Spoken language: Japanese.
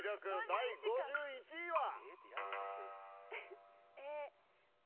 第５１位は？